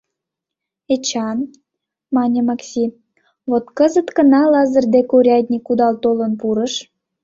— Эчан, — мане Макси, — вот кызыт гына Лазыр дек урядник кудал толын пурыш.